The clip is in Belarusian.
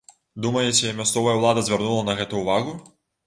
Думаеце, мясцовая ўлада звярнула на гэта ўвагу?